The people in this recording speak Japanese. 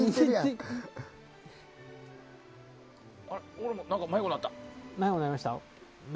俺も迷子になった。